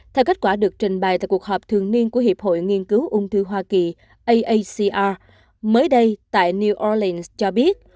theo kết quả được trình bày tại cuộc họp thường niên của hiệp hội nghiên cứu ung thư hoa kỳ aacr mới đây tại new alains cho biết